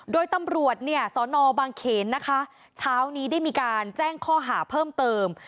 โดยตำรวจซนบางเขนชาวนี้ได้มีการแจ้งข้อหาเพิ่มเติม